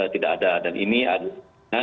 tidak ada dan ini ada